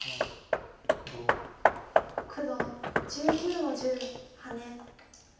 黒１９の十ハネ。